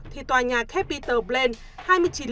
thì tòa nhà capitol plain